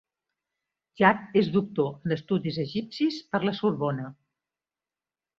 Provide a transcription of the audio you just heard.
Jacq és doctor en estudis egipcis per la Sorbona.